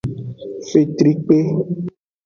Fetrikpe.